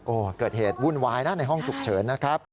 โอ้โหเกิดเหตุวุ่นวายนะในห้องฉุกเฉินนะครับ